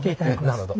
なるほどね。